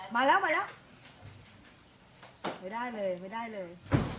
มาแล้วมาแล้วไม่ได้เลยไม่ได้เลย